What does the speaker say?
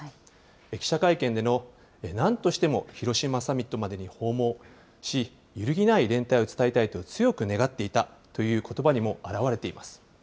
記者会見でのなんとしても広島サミットまでに訪問し、揺るぎない連帯を伝えたいと強く願っていたということばにも表れています。